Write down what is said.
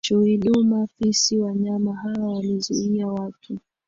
chui duma fisi Wanyama hawa walizuia watu